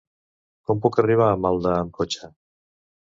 Com puc arribar a Maldà amb cotxe?